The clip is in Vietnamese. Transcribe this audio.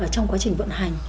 trong quá trình vận hành